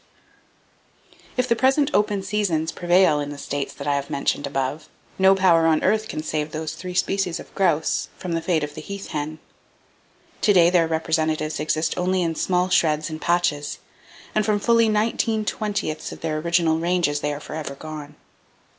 SAGE GROUSE The First of the Upland Game Birds that will Become Extinct If the present open seasons prevail in the states that I have mentioned above, no power on earth can save those three species of grouse from the fate of the heath hen. To day their representatives exist only in small shreds and patches, and from fully nineteen twentieths of their original ranges they are forever gone.